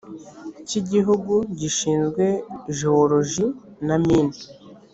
cy igihugu gishinzwe jewoloji na mine